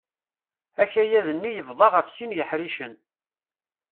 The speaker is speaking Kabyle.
Akayad-nni yebḍa ɣef sin n yiḥricen.